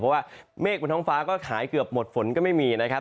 เพราะว่าเมฆบนท้องฟ้าก็ขายเกือบหมดฝนก็ไม่มีนะครับ